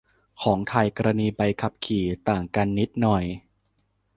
ของไทย กรณีใบขับขี่ ต่างกันนิดหน่อย